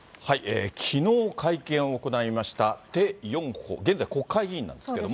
きのう会見を行いました、テ・ヨンホ、現在、国会議員なんですけども。